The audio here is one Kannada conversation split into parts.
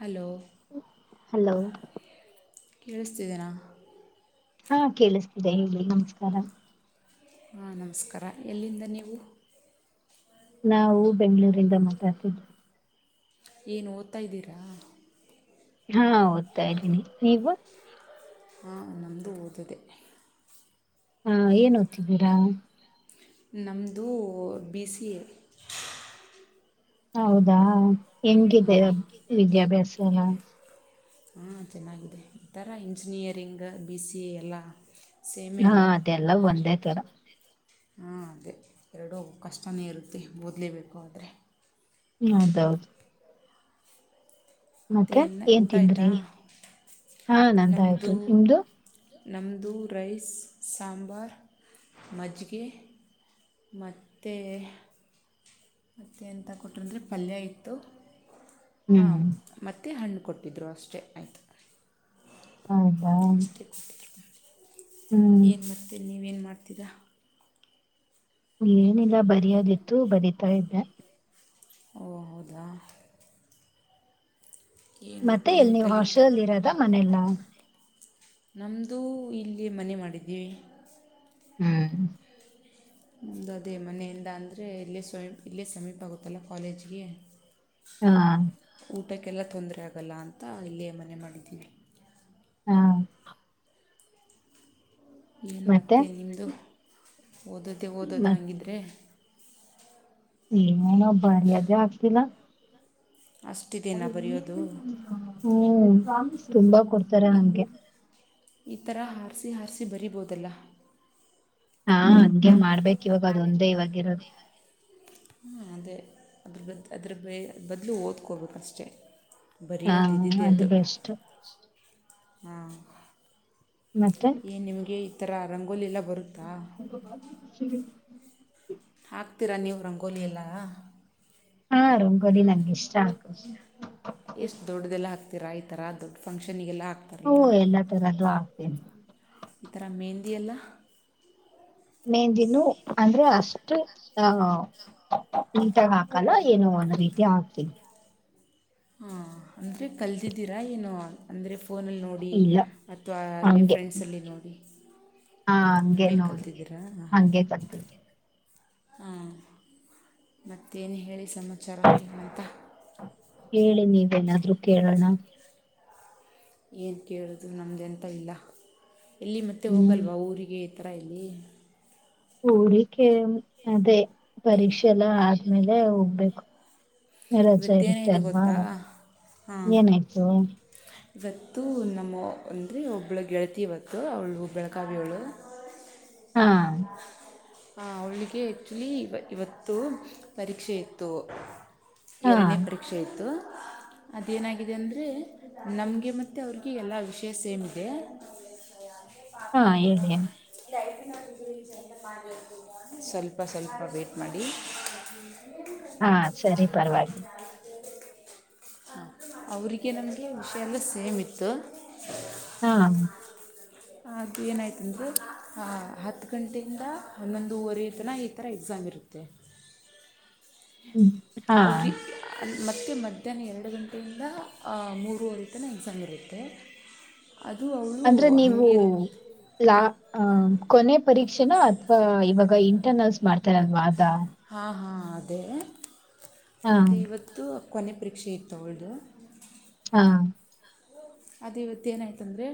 ಹಲೋ ಹಲೋ ಕೇಳಿಸ್ತಿದ್ದೀರ ಹಾ ಕೇಳಿಸ್ತಿದೆ ಹೇಳಿ ನಮಸ್ಕಾರ. ಹಾ ನಮಸ್ಕಾರ ಎಲ್ಲಿಂದ ನೀವು? ನಾವು ಬೆಂ್ಗಳೂರಿಂದ ಮಾತಾಡ್ತಿದ್ವಿ ಏನು ಓದ್ತಾ ಇದೀರಾ? ಹಾ ಓದ್ತಾ ಇದ್ದೀನಿ ನೀವು ಹಾಂ ಒಂದೊಂದು ಓದಿದೆ. ಹಾ ಏನ್ ಓದ್ತಿದ್ದೀರಾ? ನಮ್ಮದು ಬಿ ಸಿ ಎ ಹೌದಾ? ಎಂಗಿದೆ ವಿದ್ಯಾಭ್ಯಾಸ? ಏನ? ಹಾಂ ಚೆನ್ನಾಗಿದೆ ಈ ಥರ ಇಂಜಿನಿಯರಿಂಗ್ ಬಿ ಸಿ ಎ ಎಲ್ಲ ಸೇಮೇ ಹಾ ಅಲ್ಲ ಅದೆಲ್ಲ ಒಂದೇ ತರ ಹಾಂ ಅದೇ ಎರಡೂ ಕಷ್ಟನೇ ಇರುತ್ತೆ ಓದಲೇಬೇಕು ಆದರೆ ಹೌದೌದು. ಮತ್ತು ಮತ್ತೆ ಏನು ಏನ್ ಊಟ ಆಯಿತಾ ತಿಂದ್ರಿ ಹಾ ನಮ್ಮದು ನಂದಾಯ್ತು ನಿಮ್ದು. ನಮ್ಮದು ರೈಸ್ ಸಾಂಬರ್ ಮಜ್ಜಿಗೆ ಮತ್ತೆ ಮತ್ತೆ ಅಂತ ಕೊಟ್ಟ್ರು ಅಂದ್ರೆ ಪಲ್ಯ ಇತ್ತು ಹ್ಮ್ ಹಾಂ ಮತ್ತೆ ಹಣ್ಣು ಕೊಟ್ಟಿದ್ರು ಅಷ್ಟೇ ಆಯಿತು ಹೌದಾ. ಹ್ಮ್ ಏನ್ ಮಾಡ್ತೀರಿ ನೀವು ಏನ್ ಮಾಡ್ [unintelligible] ಏನಿಲ್ಲ ಬರಿಯದಿತ್ತು ಬರಿತಾ ಇದ್ದೆ. ಓ ಹೌದಾ ಏನು ಮತ್ತೆ ಎಲ್ ಏನು ನೀವ್ ಕಲಿತು ಹಾಸ್ಟೆಲ್ಲ್ಲಿ ಇರದ ಮನೆಲ್ಲ ನಮ್ಮದು ಇಲ್ಲಿ ಮನೆ ಮಾಡಿದ್ದೀವಿ ಹ್ಮ್ ನಮ್ದು ಅದೇ ಮನೆಯಿಂದ ಅಂದರೆ ಇಲ್ಲೇ ಸ್ವಯಂ ಇಲೆ ಸಮೀಪ ಆಗುತ್ತಲ್ಲ ಕಾಲೇಜ್ಗೆ ಹಾ ಊಟಕ್ಕೆಲ್ಲ ತೊಂದರೆ ಆಗಲ್ಲ ಅಂತ ಇಲ್ಲಿಯೇ ಮನೆ ಮಾಡಿದ್ದೀನಿ ಹಾ ಏನು ಮತ್ತೆ ನಿಮ್ಮದು ಓದೋದೇ ಓದೋದ ಹಂಗಿದ್ರೆ ಏನ ಬರಿಯದೇ ಆಗ್ತಿಲ್ಲ ಅ ಅಷ್ಟಿದೇನಾ ಬರೆಯೋದು ಹು ತುಂಬಾ ಕೊಡ್ತರಾ ಅಮ್ಗೆ ಈಥರ ಹಾರ್ಸಿ ಹಾರ್ಸಿ ಬರಿಬೋದಲ್ಲ ಹಾ ಹಂಗೆ ಮಾಡ್ಬೇಕ್ ಇವಾಗ್ ಅದೊಂದೇ ಇವಾಗಿರೋದು ಹಾ ಅದೇ ಅದ್ರ ಬದ ಅದ್ರ ಬ್ರೆ ಬದಲು ಓದ್ಕೋಬೊಕಷ್ಟೇ ಹಾ ಅದು ಬೆಸ್ಟ್ ಹ ಮತ್ತೆ ಏ ನಿಮ್ಗೆ ತರ ರಂಗೋಲಿ ಎಲ್ಲ ಬರುತ್ತಾ [inaudible] ಹಾಕ್ತೀರಾ ನೀವು ರಂಗೋಲಿ ಎಲ್ಲ ಹಾ ರಂಗೋಲಿ ನಂಗೆ ಇಷ್ಟ ಆಕ್ಕ. ಎಷ್ಟು ದೊಡ್ಡದೆಲ್ಲ ಈ ತರ ದೊಡ್ ಫಂಕ್ಷನ್ ಒ ಎಲ್ಲಾ ತರದ್ದು ಆಗ್ತೀನಿ. ಈ ತರ ಮೆಹಂದಿಯೆಲ್ಲ. ಮೇಂದಿನು ಅಂದ್ರೆ ಅಷ್ಟು ಆ ನೀಟಾಗ ಹಾಕಲ್ಲ ಏನೋ ಒಂದ್ ರೀತಿ ಹಾಕ್ತೀನಿ. ಹ ಅಂದ್ರೆ ಕಲ್ದಿದ್ದೀರಾ ಏನು ಅಂದ್ರೆ ಫೋನಲ್ಲಿ ನೋಡಿ ಇಲ್ಲ ಅಥವಾ ಅಲ್ಲೇ ಹಂಗೆ ಫ್ರೆಂಡ್ಸಲ್ಲಿ ನೋಡಿ ಹಾ ಹಂಗೆ ಹಂಗೇ ನೋಡಿ ಕಲ್ತಿದ್ದೀರಾ ಹಂಗೆ ಕಲ್ತೀನಿ ಹಾ ಮತ್ತೇನ್ ಹೇಳಿ ಸಮಾಚಾರ ಏನಂತ [unintelligible] ಕೇಳನ. ಏನು ಕೇಳಿದು ನಮ್ದ್ ಎಂತ ಇಲ್ಲ. ಎಲ್ಲಿ ಮತ್ತೆ ಹ್ಮ್ ಹೋಗಲ್ವಾ ಊರಿಗೆ ತರೈಲಿ ಊರಿಕೆ ಅದೇ ಪರೀಕ್ಷೆ ಎಲ್ಲ ಆದ್ಮೇಲೆ ಹೋಗ್ಬೇಕು. ರಜಾ ಇರುತ್ತೆ ಇವತ್ತೇನಾಯಿತು ಅಲ್ವಾ ಗೊತ್ತಾ ಹಾಂ ಏನಾಯ್ತು ಇವತ್ತು ನಮ್ಮ ಅಂದ್ರೆ ಒಬ್ಬಳು ಗೆಳತಿ ಇವತ್ತು ಅವ್ಳು ಬೆಳಗಾವಿ ಅವ್ಳು ಹಾ ಹಾ ಅವ್ಳಿಗೆ ಆ್ಯಕ್ಚುಲಿ ಇವತ್ತು ಪರೀಕ್ಷೆ ಇತ್ತು ಹಾ ಎರ್ಡನೇ ಪರೀಕ್ಷೆ ಇತ್ತು ಅದೇನಾಗಿದೆ ಅಂದರೆ ನಮ್ಗೆ ಮತ್ತೆ ಅವ್ರಿಗೆ ಎಲ್ಲ ವಿಷ್ಯ ಸೇಮ್ ಇದೆ ಹಾ ಹೇಳಿ [unintelligible] ಸ್ವಲ್ಪ ಸ್ವಲ್ಪ ವೇಟ್ ಮಾಡಿ ಹಾ ಸರಿ ಪರವಾಗಿ ಹಾಂ ಅವ್ರಿಗೆ ನಮ್ಗೆ ವಿಷ್ಯ ಎಲ್ಲ ಸೇಮ್ ಇತ್ತು ಹಾ ಅದು ಏನಾಯ್ತುಂದ್ರರೆ ಹತ್ತು ಗಂಟೆಯಿಂದ ಹನ್ನೊಂದೂವರೆ ತನ ಈ ಥರ ಎಕ್ಸಾಮ್ ಇರುತ್ತೆ ಹ್ಮ್ ಹಾ ಅವ್ರಿಗೆ ಮತ್ತೆ ಮಧ್ಯಾಹ್ನ ಎರ್ಡ್ ಗಂಟೆಯಿಂದ ಅ ಮೂರುವರೆ ತನ ಎಕ್ಸಾಮ್ ಇರುತ್ತೆ ಅದು ಅವಳು ಅಂದ್ರೆ ನೀವು ಹಾಗೆ ಇರುತ್ತೆ ಲಾ ಅ ಕೊನೆ ಪರೀಕ್ಷೆನ ಅಥವಾ ಇವಾಗ ಇಂಟರ್ನಲ್ಸ್ ಮಾಡ್ತಾರಲ್ವಾ ಅ ಹಾ ಹಾ. ಅದೇ ಹಾ ಅದೇ ಇವತ್ತು. ಕೊನೆ ಪರೀಕ್ಷೆ ಇತ್ತು ಅವಳ್ದು. ಹಾ ಅದು ಇವತ್ ಏನ್ ಆಯ್ತು ಅಂದ್ರೆ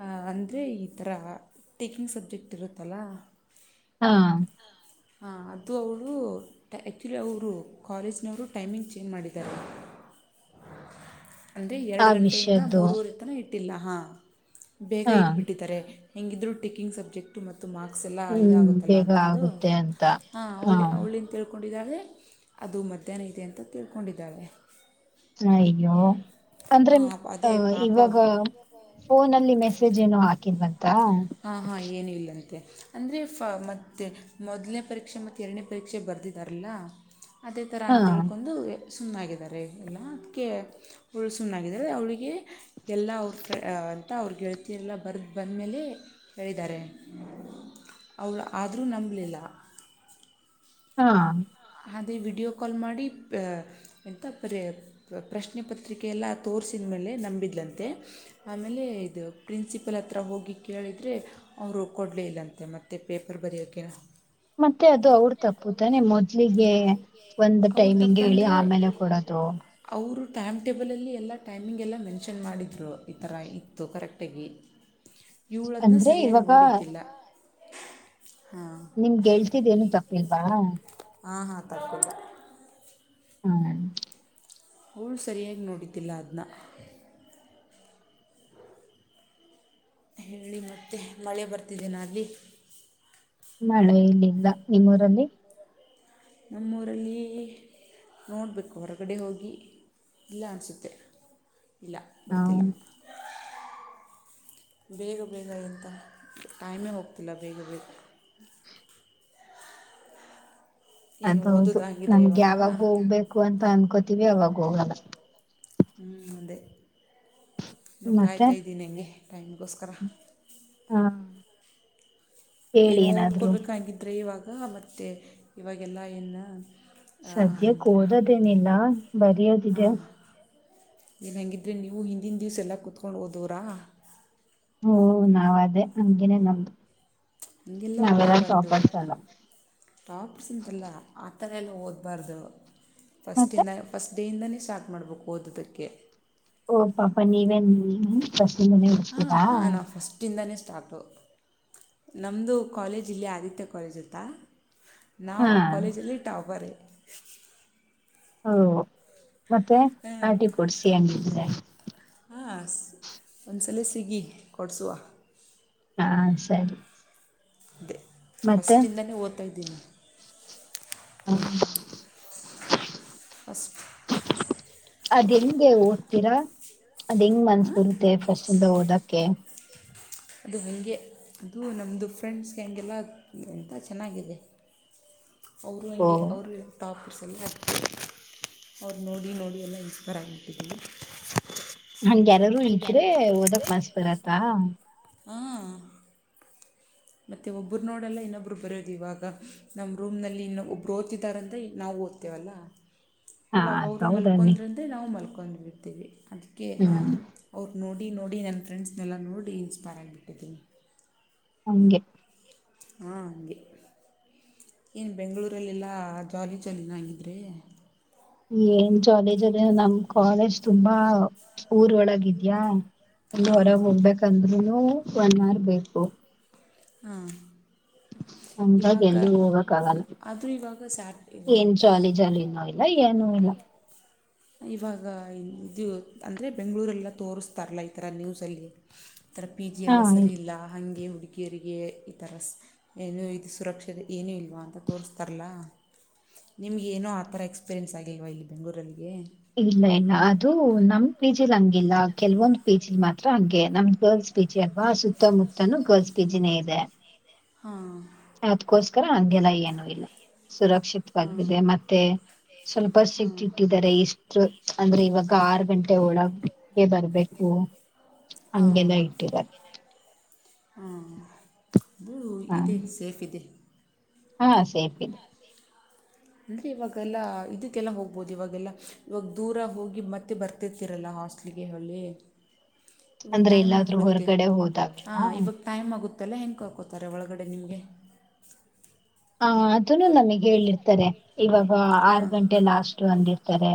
ಹ ಅಂದ್ರೆ ಈ ಥರ ಟೀಕಿಂಗ್ ಸಬ್ಜೆಕ್ಟ್ ಇರುತ್ತಲ್ಲ. ಹಾಂ ಹಾಂ ಅದು ಅವರು ಟ ಆ್ಯಕ್ಚುಲಿ ಅವರು ಕಾಲೇಜನವರು ಟೈಮಿಂಗ್ ಚೇಂಜ್ ಮಾಡಿದ್ದಾರೆ. ಅಂದ್ರೆ ಆ ಎರಡು ಗಂಟೆಯಿಂದ ವಿಷಯದ್ದು ಮೂವರೆ ತನ ಇಟ್ಟ ಇಲ್ಲ ಹಾಂ. ಬೇಗ ಹಾ ಇಟ್ಬಿಟ್ಟಿದ್ದಾರೆ. ಹೆಂಗಿದ್ರು ಟಿಕ್ಕಿಂಗ್ ಸಬ್ಜೆಕ್ಟು ಮತ್ ಇತ್ತು ಮಾರ್ಕ್ಸ್ ಎಲ್ಲ ಹ್ಮ್ ಇದಾಗುತ್ತಲ್ಲ ಬೇಗ ಅಂತಂದು ಆಗುತ್ತೆ ಅಂತ ಹಾ ಅವಳಿ ಅವಳಿ ಅಂತ ಹೇಳ್ಕೊ ಕೊಂಡಿದ್ದಾಳೆ ಅದು ಮಧ್ಯಾಹ್ನ ಇದೆ ಅಂತ ತಿಳ್ಕೊಂಡಿದ್ದಾಳೆ ಅಯ್ಯೋ, ಅಂದ್ರೆ ಹಾಂ, ಅ ಅದೇ ಪಾಪ ಇವಾಗ ಫೋನಲ್ಲಿ ಮೆಸೇಜ್ ಏನೋ ಹಾಕಿಲ್ವಂ ಹಾ ಹಾ ಏನು ಇಲ್ಲಂತೆ. ಅಂದರೆ ಫ ಮತ್ತೆ ಮೊದಲನೇ ಪರೀಕ್ಷೆ ಮತ್ತು ಎರಡನೇ ಪರೀಕ್ಷೆ ಬರೆದಿದ್ದಾರಲ್ಲ ಅದೇ ಥರ ಹಾ ಅಂತಳ್ಕೊಂಡು ಸುಮ್ನಾಗಿದ್ದಾರೆ ಎಲ್ಲ ಅದಕ್ಕೆ ಅವಳು ಸುಮ್ಮಾಗಿದ್ದಾಳೆ ಅವಳಿಗೆ ಎಲ್ಲ ಅವ್ರ ಫ್ರ ಅಂತ ಅವ್ ಗೆಳ್ತಿ ಎಲ್ಲ ಬರೆದು ಬಂದಮೇಲೆ ಹೇಳಿದ್ದಾರೆ ಅವಳ ಆದರೂ ನಂಬಲಿಲ್ಲ ಹಾಂ ಅದೇ ವೀಡಿಯೋ ಕಾಲ್ ಮಾಡಿ ಎಂತ ಪರ ಪ್ರಶ್ನೆ ಪತ್ರಿಕೆಲ್ಲ ತೋರಿಸಿದ ಮೇಲೆ ನಂಬಿದಲಂತೆ ಆಮೇಲೆ ಇದು ಪ್ರಿನ್ಸಿಪಲ್ ಹತ್ರಿ ಹೋಗಿ ಕೇಳಿದರೆ ಅವರು ಕೊಡಲೇ ಇಲ್ಲಂತೆ ಮತ್ತುತ್ತೆ ಪೇಪರ್ ಬರೆಯೋಕ್ಕೆ ಗೆ ಒಂದು ಅವ್ರ ಟೈಮಿಂಗ್ ಹೇಳಿ ತಪ್ಪಂದರೆ ಆಮೇಲೆ ಕೊಡದು. ಅವರು ಟೈಮ್ ಟೇಬಲ್ ಅಲ್ಲಿ ಎಲ್ಲ ಟೈಮಿಂಗ್ ಎಲ್ಲ ಮೆನ್ಷನ್ ಮಾಡಿ ಅದು ಈ ತರ ಇತ್ತು ಕರೆಕ್ಟ್ ತ್ತವಿ ಇವಳದ್ನ ಅಂದ್ರೆ ಸರಿಯಾಗ್ ಇವಾಗ ನೋಡಿದ್ದಿಲ್ಲ. [unintelligible] ನಿಮ್ಗೆೇಳ್ತಿದ್ ಏನು ತಪ್ಪಿಲ್ವಾ ಹಾಂ ಹಾಂ ತಗಿಲ್ಲ ಹ್ಮ ಅವಳು ಸರಿಯಾಗಿ ನೋಡಿದಿಲ್ಲ ಅದ್ನ ಹೇಳಿ ಮತ್ತೆ ಮಳೆ ಬರ್ತಿದ್ದೀನ ಅಲ್ಲಿ? ಮಳೆ ಇಲ್ಲಿಲ್ಲ ನಿಮ್ಮೂರಲ್ಲಿ ನಮ್ಮೂರಲ್ಲಿ ನೋಡಬೇಕು ಹೊರಗಡೆ ಹೋಗಿ ಇಲ್ಲ ಅನಿಸುತ್ತೆ ಇಲ್ಲ ಹಾ ಬರ್ತಿಲ್ಲ ಬೇಗ ಬೇಗ ಎಂತ ಟೈಮೇ ಹೋಗ್ತಿಲ್ಲ ಬೇಗ ಬೇಗ. ಏನು ಅದೌದು ಓದೋದಾಗಿದ್ರೆ ನಮ್ಗೆ ಇವಾಗ ಯಾವಾಗ ಹೋಗ್ಬೇಕು ಅಂತ ಅನ್ಕೊತ [unintelligible] ಹೋಗಲ್ಲ ಹ್ಮ ಅದೇ ಇನ್ನು ಮತ್ತೆ ಕಾಯ್ತಾ ಇದ್ದೀನಿ ನಂಗೆ ಟೈಮ್ಗೋಸ್ಕರ ಹಾ ಹೇಳಿ ಏನೋ ಏನಾದ್ರು ಓದ್ಕೊಬೇಕಂಗಿದ್ರೆ ಇವಾಗ ಅ ಮತ್ತೆ ಇವಾಗೆಲ್ಲಾ ಏನ್ ಸದ್ಯಕ್ಕೆ ಓದದೇನಿಲ್ಲ ಬರಯ ತಿರ ಏನಂಗಿದ್ರೆ ನೀವು ಹಿಂದಿನ ದಿವಸ ಎಲ್ಲ ಕುೂತ್ಕೊಂಡು ಹೋದವ್ರಾ ಹಓ ನಾವ ಅದೇ ಹಂಗೇನೆೇ ನಮ್ದು ಹಂಗೆಲ್ಲ ನಾವೆಲ್ಲ ಓದ್ಬಾರ್ದು ಟಾಪರ್ಸ್ ಅಲ್ಲ ಟಾಪರ್ಸ್ ಅಂತೆಲ್ಲ ಆ ಹತ್ತರಲ್ಲ ಓದಬಾರ್ದು ಮತ್ತೆ ಫಸ್ಟಿಂದ ಫಸ್ಟ್ ಅಡೆಯಿಂದನೇ ಸ್ಟಾರ್ಟ್ ಮಾಡ್ಬೇಕು ಓದೋದಕ್ಕೆ [inaudible] ಓ ಪಾಪ ನೀವೇ ಬಸ ಮನ ಹಾಂ ಇರ್ತೀರಾ ಹಾಂ ನಾವು ಫಸ್ಟಿಂದನೇ ಸ್ಟಾರ್ಟು ನಮ್ಮದು ಕಾಲೇಜ್ ಇಲ್ಲಿ ಆದಿತ್ಯ ಕಾಲೇಜ್ ಅತ್ತಾ ನಾವು ಹಾ ಆ ಕಾಲೇಜಲ್ಲಿಟ್ಟಟಾಬಾರೆ ಹ ಹ ಮತ್ತೆ ಹಾಂ ಪಾಟಿ ಕೊಡ್ಸಿ ಹಂಗಿದ್ರೆ ಹಾಂ ಒಂದ್ಸಲ ಸಿಗಿ ಕೊಡಿಸುವ ಹಾ ಸರಿ ಅ ಮತ್ತೆ ಫಸ್ಟಿಂದನೇ ಓದ್ತಾ ಇದಿದ್ದೀನಿ ಹ [inaudible] ಅಷ್ಟು ಅದ್ ಹೆಂಗೆ ಓದ್ತೀರಾ ಅದ ಹೆಂಗ್ ಮನ್ಸ್ ಬರುತ್ತೆ ಫಸ್ಟ್ ಹೌದಕ್ಕೆ ಅದು ಹಗೆ ಅದು ನಮ್ಮದು ಫ್ರೆಂಡ್ಸ್ಗೆ ಹಗೆಲ್ಲ ಎಂತ ಚೆನ್ನಾಗಿದೆ ಅವರು ಓ ಹಂಗೆ ಅವರು ಟಾಪರ್ಸ್ ಎಲ್ಲ ಅವ್ರು ನೋಡಿ ನೋಡಿ ಎಲ್ಲ ಇನ್ಸ್ಪೈರ್ ಆಗಿಬಿಟ್ಟಿದಲ್ಲ ಹಂಗೆಾರರು ಇದ್ರೆ ಓದಕ್ ಬಸ್ ಬರತ್ತ ಹಾ ಮತ್ತೆ ಒಬ್ಬರು ನೋಡಲ್ಲ ಇನ್ನೊಬ್ಬರು ಬರೋದು ಇವಾಗ ನಮ್ಮ ರೂಮ್ನಲ್ಲಿ ಇನ್ನೊ ಒಬ್ರು ಓದ್ತಿದಾರಂದ ನಾವು ಓದ್ತೇವಲ್ಲ ಹಾ ಇವಾಗ ಅದ್ ಅವರು ಹೌದನ್ನಿ ಮಲ್ಕೊಂಡ್ರಂದೆ ನಾವು ಮಲ್ಕೊಂಡ್ಬೇಕು ತ್ತವಿ [inaudible] ಅದಕ್ಕೆ ಹ್ಮ್ ಅವ್ರು ನೋಡಿ ನಡಿ ನೋಡಿ ನನ್ನ ಫ್ರೆಂಡ್ಸ್ನೆಲ್ಲ ನೋಡಿ ಇನ್ಸ್ಪೈರ್ ಆಗಿಬಿಟ್ಟಿದ್ದೀನಿ ಹಂಗೆ ಹಾ ಹಗೆ ಏನು ಬೆಂಗಳೂರಲ್ಲೆಲ್ಲ ಜಾಲಿ ಜಾಲಿನ ಹಾಗಿದ್ರೆ ಏನ್ ಜಾಲಿ ಜಾಲಿನೋ ಅದ ನಮ್ ಕಾಲೇಜ್ ತುಂಬಾ ಊರ್ ಒಳಗಿದ್ಯಾ ಎಲ್ಲೂ ಹಾಂ ಹೊರಗೆ ಹೋಗ್ಬೇಕಾಂದ್ರೂನು ಒನ್ ಅವರ್ ಬೇಕು ಹಾ ಹಂಗಾಗಿ ಎಲ್ಲಿ ಹೋಗಕ್ಕ ಆಗಲ್ಲ ಆದರೂ ಇವಾಗ ಸ್ಯಾಟ್ ಏನ್ ಎಂತ ಜಾಲಿ ಜಾಲಿನೂ ಇಲ್ಲ ಏನುೂ ಇಲ್ಲ ಇವಾಗ ಇದು ಅಂದರೆ ಬೆಂಗಳೂರೆಲ್ಲ ತೋರಿಸ್ತಾರಲ್ಲ ಈ ಥರ ನ್ಯೂಸಲ್ಲಿ ಈಥರ ಪಿ ಜಿ ಹಾ ಎಲ್ಲ ಸರಿ ಇಲ್ಲ ಹಂಗೆ ಇ ಹುಡುಗಿರಿಗೆ ಈ ತರ ಏನು ಸುರಕ್ಷತೆ ಏನೂ ಇಲ್ವಾ ಅಂತ ತೋರಿಸ್ತಾರಲ್ಲ ನಿಮ್ಗೇಏನೋ ಆ ಥರ ಎಕ್ಸ್ಪೀರಿಯೆನ್ಸ್ ಆಗಿಲ್ವಾ ಇಲ್ಲಿ ಬೆಂಗಳೂರಲ್ಲಿಗೆ ಇಲ್ಲ ಇಲ್ಲ ಅದು ನಮ್ ಪಿಜಿಲ್ ಹಂಗಿಲ್ಲ ಕೆಲ್ವೊಂದು ಪಿಜಿಲ್ ಮಾತ್ರ ಹಂಗೆ ನಮ್ ಗರ್ಲ್ಸ್ ಪಿಜಿ ಅಲ್ವಾ ಸುತ್ತಮುತ್ತನುೂ ಗರ್ಲ್ಸ್ ಪಜಿನೇ ಇದೆ ಹಾ ಅದಕೋಸ್ಕರ ಆಗೆಲ್ಲ ಏನು ಇಲ್ಲ ಹಾಂ ಸುರಕ್ಷಿತವಾಗಿದೆ ಮತ್ತೆ ಸ್ವಲ್ಪ ಹಾಂ ಸಿಟ್ಟಿಟ್ಟಿದ್ದಾರೆ ಇಷ್ಟು ಅಂದ್ರೆ ಇವಾಗ ಆರು ಗಂಟೆ ಒಳಗೆ ಬರ್ಬೇಕು ಹಂಗೆಲ್ಲಾ ಇಟ್ಟಿದ್ದಾರೆ ಹ್ಮ್ ಓ ಹಾ ಇದೆ ಸೇಫ್ ಇದೆ ಹಾ ಸೇಫ ಇದೆ ಅಂದ್ರೆ ಇವಾಗೆಲ್ಲ ಇದಕ್ಕೆಲ್ಲ ಹೋಗ್ಬೋದು ಇವಾಗೆಲ್ಲ ಇವಾಗ ದೂರ ಹೋಗಿ ಮತ್ತೆ ಬರ್ತಿರ್ತಿರಲ್ಲ ಹಾಸ್ಟೇಲ್ ಹೊರಳಿ ಅಂದ್ರೆ ಇಲ್ಲಾದ್ರೂ ಹೊರಗಡೆ ಹೋದಾಗ್ಲಾ ಮತ್ತಲ್ಲ ಹೆಂಗೆ ಕರ್ಕೋತರೆ ಒಳಗಡೆ ನಿಮಗೆ ಹಾ ಅದನ್ನು ನಮಗೆ ಹೇಳಿರ್ತ ತರೆ ಇವಾಗ ಆರ್ ಹಾಂ ಗಂಟೆ ಲಾಸ್ಟ್ ಅಂದಿರ್ತಾರೆ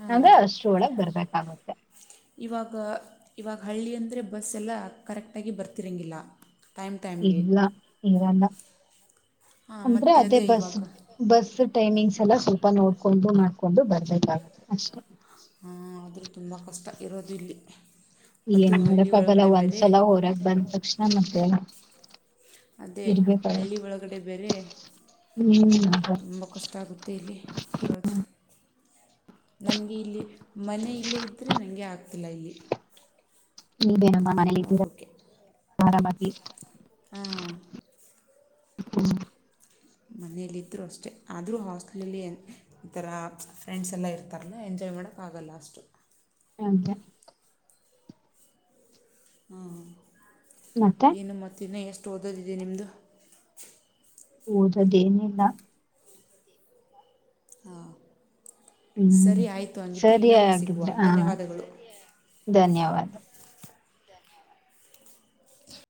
ಹಾಂ ಅಂದ್ರೆ ಅಷ್ಟುೊಳಗ್ ಬರ್ಬೇಕಾಗುತ್ತೆ ಇವಾಗ ಇವಾಗ ಹಳ್ಳಿ ಅಂದರೆ ಬಸ್ ಎಲ್ಲ ಕರೆಕ್ಟಾಗಿ ಬರ್ತಿರೋಂಗಿಲ್ಲ ಇಲ್ಲ ಇರಲ್ಲ ಹಾಂ ಅಂದ್ರೆ ಮತ್ತು ಅದೇ ಬಸ್ ಇವಾಗ ಬಸ್ ಟೈಮಿಂಗ್ಸ್ ಎಲ್ಲ ಸ್ವಲ್ಪ ನೋಡ್ಕೊಂಡು ಮಾಡಕೊಂಡು ಬರ್ಬೇಕಾಗುತ್ತೆ ಅಷ್ಟೇ ಆದರೂ ತುಂಬ ಕಷ್ಟ ಇರೋದು ಇಲ್ಲಿ ಅದು ಏನ್ ಹಳ್ಳಿ ಮಾಡಕ್ಗಲ್ಲ ಒಳಗಡೆ ಬೇರೆ ಒಂದ್ಸಲ ಹೊರಾಗ ಬಂದ ತಕ್ಷಣ ಮತ್ತೆ ಅದೇ ಇರ್ಬೇಕಾಗತ್ತ ಹಳ್ಳಿ ಒಳಗಡೆ ಬೇರೆ ಹ್ಮ ತುಂಬ ಕಷ್ಟ ಆಗುತ್ತೆ ಇಲ್ಲಿ ನನ್ಗೆ ಇಲ್ಲಿ ಮನೆ ಇಲ್ಲೇ ಇದ್ದ್ರರೆ ನನಗೆ ಆಕ ಇಲ್ಲ ಇಲ್ಲಿ ನೀ ಬೇನ ಓಕೆ. ಆರಾಮಕಿ. ಹಾ ಹ ಮನೆಯಲ್ಲಿದ್ದೂ ಅಷ್ಟೇ ಆದರೂ ಹಾಸ್ಟಲಲ್ಲಿ ಈ ಥರ ಫ್ರೆಂಡ್ಸ್ ಎಲ್ಲ ಇರ್ತಾರಲ್ಲ ಎಂಜಾಯ್ ಮಾಡೋಕ್ಕಾಗಲ್ಲ ಅಷ್ಟು. [unintelligible] ಹ್ಮ ಮತ್ತೆ ಏನು ಮತ್ ಇನ್ನ ಎಷ್ಟು. [unintelligible] ನಿಮ್ಮದುು. ಓದೋದು ಏನ್ ಇಲ್ಲ. ಹಾ ಹ್ಮ್ ಸರಿ ಸಿಗುವ ಹಾಗಗಿದ್ರೆ ಹ ಧನ್ಯವಾದಗಳು ಧನ್ಯವಾದ.